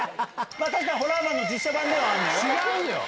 確かにホラーマンの実写版で違うよ。